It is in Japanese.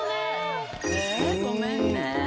ごめんね。